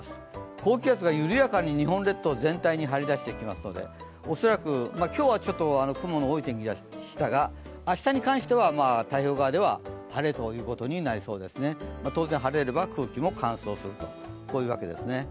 高気圧が緩やかに日本列島全体に張り出してきますので恐らく、今日は雲の多い天気でしたが明日に関しては太平洋側では晴れと、当然、晴れれば空気も乾燥するというわけですね。